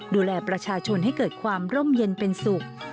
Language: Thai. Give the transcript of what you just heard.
ดูแลประชาชนให้เกิดความร่มเย็นเป็นสุข